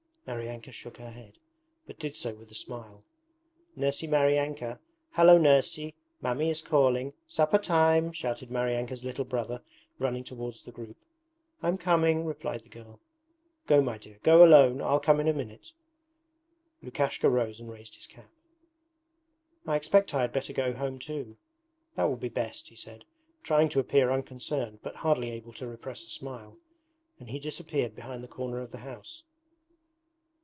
Maryanka shook her head, but did so with a smile. 'Nursey Maryanka! Hallo Nursey! Mammy is calling! Supper time!' shouted Maryanka's little brother, running towards the group. 'I'm coming,' replied the girl. 'Go, my dear, go alone I'll come in a minute.' Lukashka rose and raised his cap. 'I expect I had better go home too, that will be best,' he said, trying to appear unconcerned but hardly able to repress a smile, and he disappeared behind the corner of the house.